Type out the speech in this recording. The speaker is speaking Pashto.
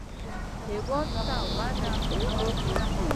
هېواد ته وده پکار ده